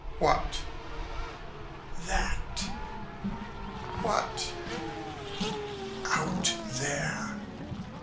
"What?" "That." "What?" "Out there."